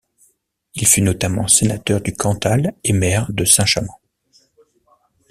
Il fut notamment sénateur du Cantal et maire de Saint-Chamant.